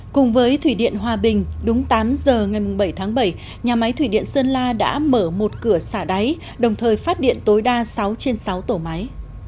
cùng với thủy điện hòa bình đúng tám giờ ngày bảy tháng bảy nhà máy thủy điện sơn la đã mở một cửa xả đáy đồng thời phát điện tối đa sáu trên sáu tổ máy